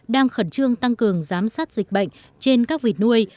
đang khẩn trương tăng cường giám sát dịch bệnh trên các vịt nuôi